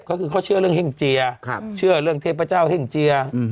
ก็คือเขาเชื่อเรื่องเฮ่งเจียเชื่อเรื่องเทพเจ้าเฮ่งเจีย